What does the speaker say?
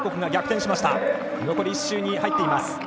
残り１周に入っています。